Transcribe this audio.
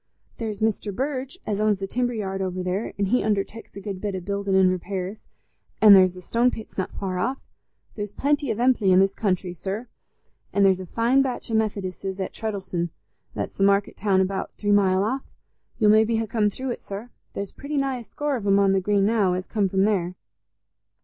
There's Mester Burge as owns the timber yard over there, he underteks a good bit o' building an' repairs. An' there's the stone pits not far off. There's plenty of emply i' this countryside, sir. An' there's a fine batch o' Methodisses at Treddles'on—that's the market town about three mile off—you'll maybe ha' come through it, sir. There's pretty nigh a score of 'em on the Green now, as come from there.